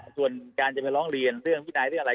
ส่วนการจะไปร้องเรียนเรื่องวินัยเรื่องอะไร